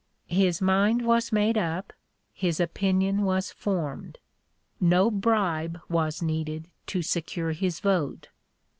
His mind was made up, his opinion was formed; no bribe was needed to secure his vote.